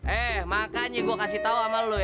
eh makanya gue kasih tau sama lo